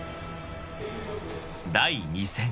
［第２戦。